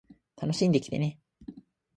楽しんできてね